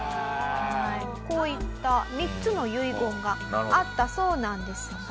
こういった３つの遺言があったそうなんですが。